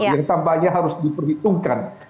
yang tampaknya harus diperhitungkan